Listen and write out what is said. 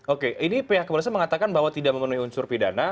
oke ini pihak kepolisian mengatakan bahwa tidak memenuhi unsur pidana